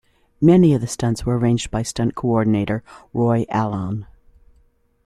Many of the stunts were arranged by Stunt coordinator Roy Alon.